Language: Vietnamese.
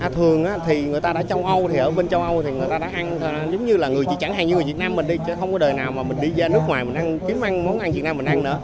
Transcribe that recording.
thường thì người ta ở bên châu âu thì người ta đã ăn giống như là người việt nam mình đi không có đời nào mà mình đi ra nước ngoài mình ăn kiếm ăn món ăn việt nam mình ăn nữa